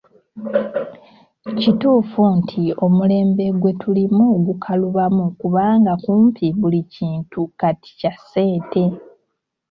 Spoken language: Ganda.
Kituufu nti omulembe gwe tulimu gukalubamu kubanga kumpi buli kintu kati kya ssente.